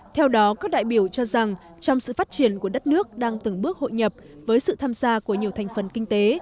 theo đó các đại biểu cho rằng trong sự phát triển của đất nước đang từng bước hội nhập với sự tham gia của nhiều thành phần kinh tế